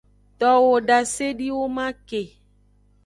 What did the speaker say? Towo dasediwoman ke.